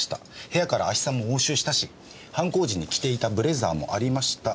部屋から亜ヒ酸も押収したし犯行時に着ていたブレザーもありました。